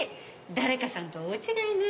誰かさんとは大違いね。